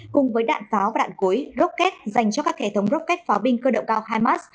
cùng với đạn pháo và đạn cối rocket dành cho các hệ thống rocket pháo binh cơ động cao hamas